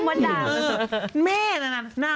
ไม่สนุกเข้ากับพี่มดดา